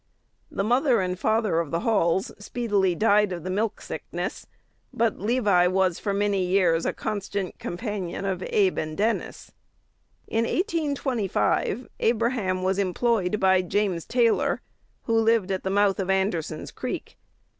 The father and mother of the Halls speedily died of the milk sickness, but Levi was for many years a constant companion of Abe and Dennis. In 1825 Abraham was employed by James Taylor, who lived at the mouth of Anderson's Creek.